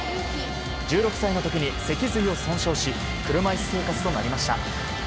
１６歳のときに脊髄を損傷し、車いす生活となりました。